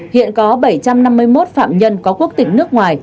hiện có bảy trăm năm mươi một phạm nhân có quốc tịch nước ngoài